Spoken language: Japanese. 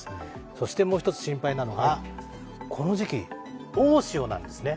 そしてもう一つ心配なのがこの時期、大潮なんですね。